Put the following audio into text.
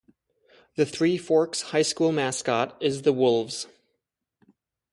The Three Forks High School mascot is the Wolves.